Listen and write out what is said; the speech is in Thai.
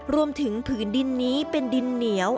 รวมถึงพื้นดินนี้เป็นดินเหนียว